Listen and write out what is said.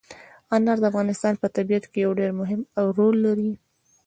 انار د افغانستان په طبیعت کې یو ډېر مهم رول لري.